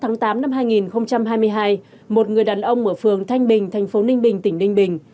ngày hai mươi một tháng tám năm hai nghìn hai mươi hai một người đàn ông ở phường thanh bình thành phố ninh bình tỉnh ninh bình